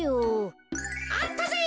あったぜ！